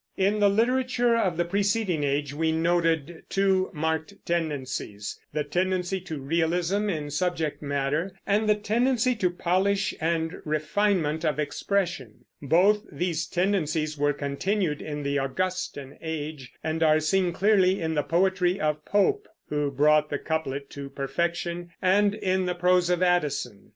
In the literature of the preceding age we noted two marked tendencies, the tendency to realism in subject matter, and the tendency to polish and refinement of expression. Both these tendencies were continued in the Augustan Age, and are seen clearly in the poetry of Pope, who brought the couplet to perfection, and in the prose of Addison.